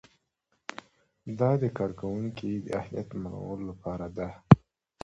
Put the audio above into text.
دا د کارکوونکي د اهلیت معلومولو لپاره ده.